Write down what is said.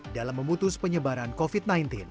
dalam memutus penyebaran covid sembilan belas